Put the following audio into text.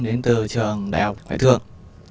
đến từ trường đại học hải thượng